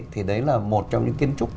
thì đấy là một trong những kiến trúc